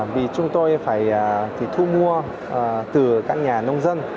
vì chúng tôi phải thu mua từ các nhà nông dân